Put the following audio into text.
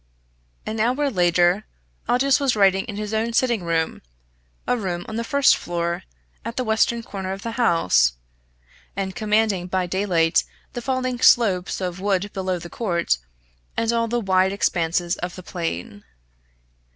An hour later, Aldous was writing in his own sitting room, a room on the first floor, at the western corner of the house, and commanding by daylight the falling slopes of wood below the Court, and all the wide expanses of the plain.